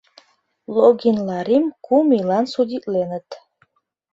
Логин Ларим кум ийлан судитленыт.